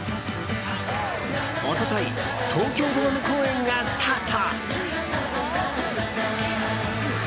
一昨日東京ドーム公演がスタート。